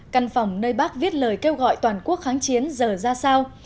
căn phòng nơi bác viết lời kêu gọi toàn quốc kháng chiến giờ ra sao